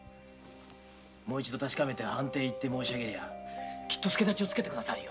もう一度確かめて藩邸へ行って申しあげればきっと助太刀を付けて下さるよ。